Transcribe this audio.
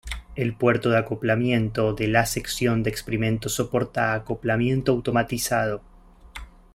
El puerto de acoplamiento de la sección de experimentos soporta acoplamiento automatizado.